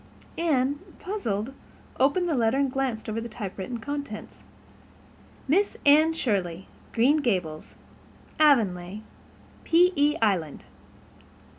Anne, puzzled, opened the letter and glanced over the typewritten contents. Miss Anne Shirley, Green Gables, Avonlea, P.E. Island.